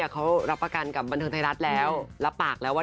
ก็วางแผนไว้แล้วแล้ว